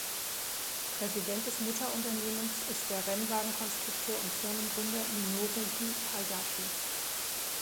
Präsident des Mutterunternehmens ist der Rennwagenkonstrukteur und Firmengründer Minoru Hayashi.